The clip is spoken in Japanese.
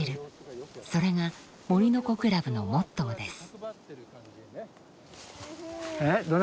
それが森の子クラブのモットーです。